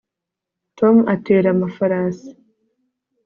Tom atera amafarasi